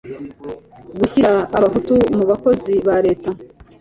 gushyira abahutu mu bakozi ba leta